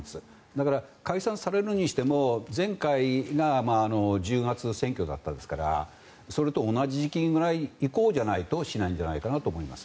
だから、解散されるにしても前回が１０月選挙でしたからそれと同じ時期以降じゃないとしないんじゃないかなと思います。